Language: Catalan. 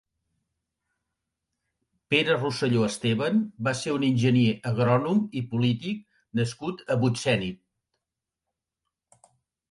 Pere Roselló Esteban va ser un enginyer agrònom i polític nascut a Butsènit.